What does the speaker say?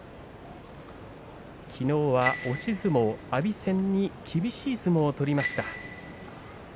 きのうは押し相撲を阿炎戦に厳しい相撲を取りました。